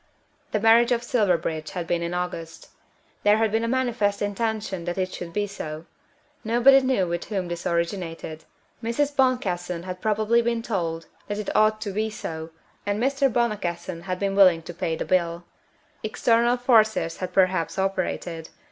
The marriage of Silverbridge had been August. There had been a manifest intention that it should be so. Nobody knew with whom this originated. Mrs. Boncassen had probably been told that it ought to be so, and Mr. Boncassen had been willing to pay the bill. External forces had perhaps operated.